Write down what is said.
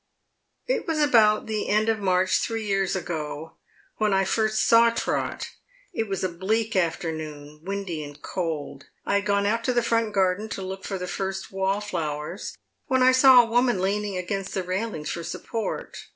" It was about the end of March, three years ago, when I first Baw Trot. It was a bleak afternoon, windy and cold. I had gone out into the front garden to look for the first wall flowers, when I saw a woman leaning against the railings for support.